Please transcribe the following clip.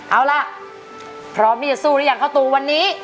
เอาล่ะพร้อมที่จะสู้หรือยังเข้าตูวันนี้